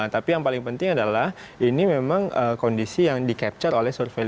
tapi yang paling penting adalah ini memang kondisi yang di capture oleh survei